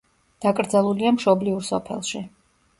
დაკრძალულია მშობლიურ სოფელში.